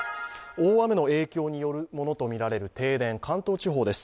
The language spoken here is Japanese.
大雨の影響によるものとみられる停電、関東地方です。